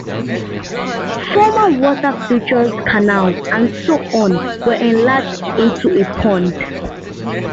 Former water features, canals and so on, were enlarged into a pond.